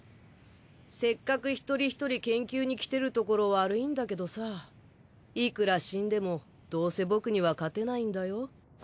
せっかく一人一人研究に来てるところ悪いんだけどさいくら死んでもどうせ僕には勝てないんだよ。